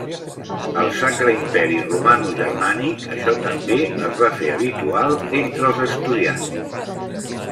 Al Sacre Imperi Romanogermànic, això també es va fer habitual entre els estudiants.